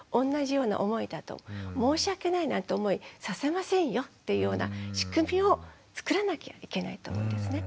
申し訳ないなんて思いさせませんよっていうような仕組みを作らなきゃいけないと思うんですね。